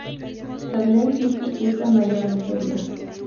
Salt Lake City, Utah, Miami, Florida.